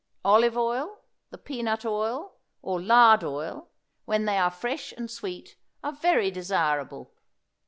Olive oil, the peanut oil, or lard oil, when they are fresh and sweet, are very desirable.